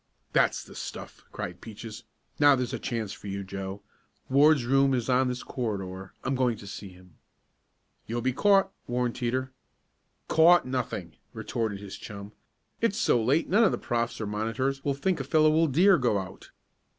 "That's the stuff!" cried Peaches. "Now there's a chance for you, Joe. Ward's room is on this corridor. I'm going to see him." "You'll be caught," warned Teeter. "Caught nothing!" retorted his chum. "It's so late none of the profs. or monitors will think a fellow will dare go out.